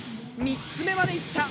３つ目までいった。